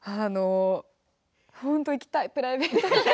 本当に行きたい、プライベートで。